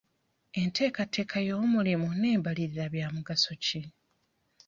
Enteekateeka y'omulimu n'embalirira bya mugaso ki?